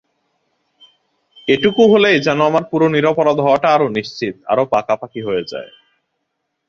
এটুকু হলেই যেন আমার পুরো নিরপরাধ হওয়াটা আরো নিশ্চিত, আরো পাকাপাকি হয়ে যায়।